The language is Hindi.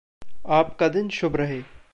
आपका दिन शुभ रहे।